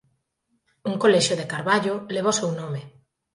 Un colexio de Carballo leva o seu nome.